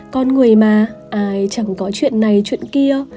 con người mà ai chẳng có chuyện này chuyện kia